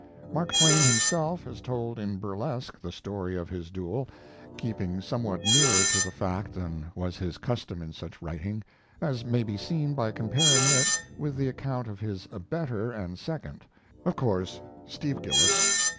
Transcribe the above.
Mark Twain himself has told in burlesque the story of his duel, keeping somewhat nearer to the fact than was his custom in such writing, as may be seen by comparing it with the account of his abettor and second of course, Steve Gillis.